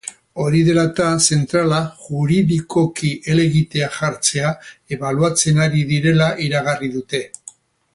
Hori dela eta, zentralak juridikoki helegitea jartzea ebaluatzen ari direla iragarri dute.